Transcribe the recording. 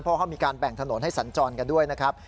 เพราะเขามีการแบ่งถนนให้สัญจรกันด้วยนะครับ